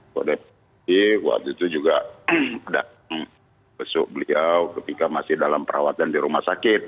pada saat itu juga tidak bisa dipesuk beliau ketika masih dalam perawatan di rumah sakit